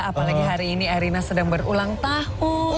apalagi hari ini erina sedang berulang tahun